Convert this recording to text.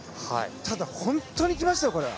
ただ本当に来ましたよ、これ。